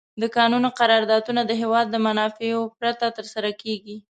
د کانونو قراردادونه د هېواد د منافعو پرته تر سره کیږي.